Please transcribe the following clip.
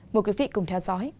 mời quý vị cùng theo dõi